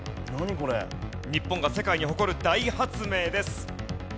日本が世界に誇る大発明です。